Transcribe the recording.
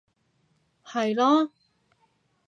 係囉